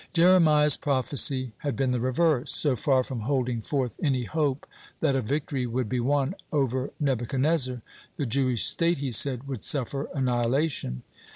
(18) Jeremiah's prophecy had been the reverse: so far from holding forth any hope that a victory would be won over Nebuchadnezzar, the Jewish state, he said, would suffer annihilation.